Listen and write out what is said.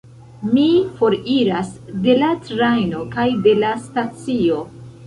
Mi foriras de la trajno, kaj de la stacio.